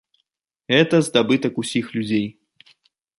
Гэта здабытак усіх людзей.